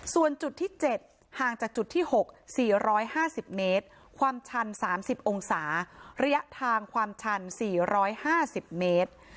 ส่วนจุดที่๗ห่างจากจุดที่๖๔๕๐เมตรความชัน๓๐องศาระยะทางความชัน๔๕๐เมตร